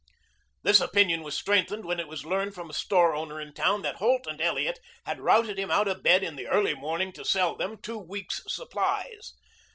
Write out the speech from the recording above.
This opinion was strengthened when it was learned from a store owner in town that Holt and Elliot had routed him out of bed in the early morning to sell them two weeks' supplies.